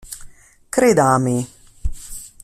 Creda a me.